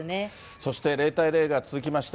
そして０対０が続きました。